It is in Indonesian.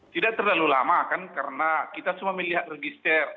tidak terlalu lama kan karena kita semua melihat register